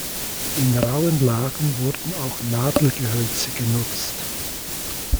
In rauen Lagen wurden auch Nadelgehölze genutzt.